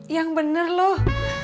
yang bener loh